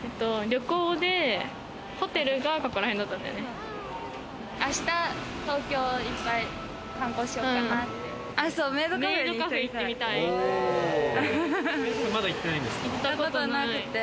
旅行で、ホテルがここら辺だったんだよね。